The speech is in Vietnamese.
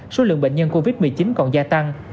số lượng bệnh nhân covid một mươi chín còn gia tăng